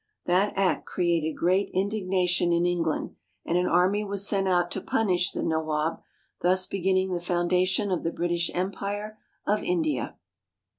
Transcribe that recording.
That act created great indignation in England, and an army was sent out to punish the Nawab, thus beginning the foundation of the British Empire of India.